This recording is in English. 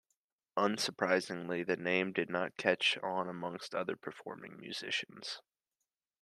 Unsurprisingly, the name did not catch on amongst other performing musicians.